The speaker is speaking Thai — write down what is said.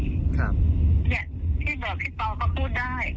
ที่บอกพี่ปอล์ก็พูดได้